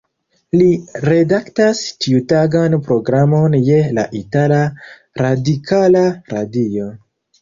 Li redaktas ĉiutagan programon je la itala Radikala Radio.